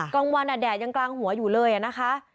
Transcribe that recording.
กลางวันแดดยังกลางหัวอยู่เลยนะคะ